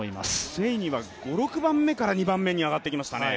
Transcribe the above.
セイニは５６番目から２番目に上がってきましたね。